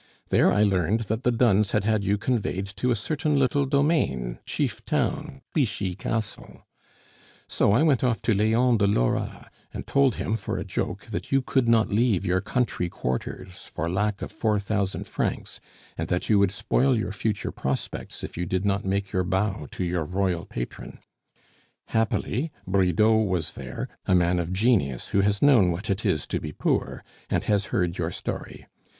There I learned that the duns had had you conveyed to a certain little domain chief town, Clichy Castle. "So off I went to Leon de Lora, and told him, for a joke, that you could not leave your country quarters for lack of four thousand francs, and that you would spoil your future prospects if you did not make your bow to your royal patron. Happily, Bridau was there a man of genius, who has known what it is to be poor, and has heard your story.